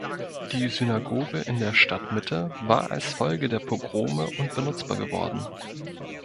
Die Synagoge in der Stadtmitte war als Folge der Pogrome unbenutzbar geworden.